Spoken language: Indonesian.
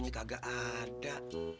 jika gak ada